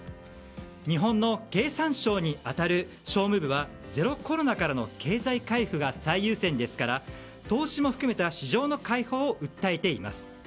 日本の経産省に当たる商務部はゼロコロナからの経済回復が最優先ですから投資も含めた市場の開放を訴えています。